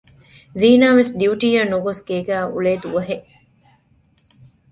ޒީނާ ވެސް ޑިއުޓީއަށް ނުގޮސް ގޭގައި އުޅޭ ދުވަހެއް